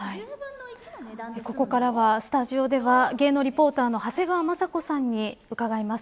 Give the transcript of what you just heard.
ここからは、スタジオでは芸能リポーターの長谷川まさ子さんにうかがいます。